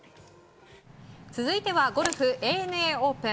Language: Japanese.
続いてはゴルフＡＮＡオープン。